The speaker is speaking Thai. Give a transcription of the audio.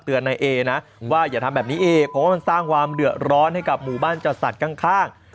เพราะว่ามันสร้างความเหลือร้อนให้กับหมู่บ้านเจาะสัตว์ข้าง